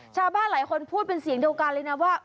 ชาวบ้านหลายคนพูดเป็นเสียงเดียวกันเลยนะว่า